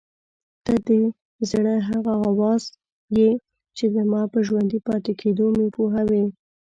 ته د زړه هغه اواز یې چې زما په ژوندي پاتې کېدو مې پوهوي.